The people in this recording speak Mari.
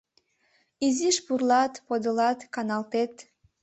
Изиш пурлат, подылат, каналтет.